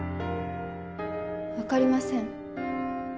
分かりません。